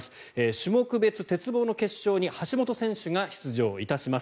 種目別鉄棒の決勝に橋本選手が出場いたします。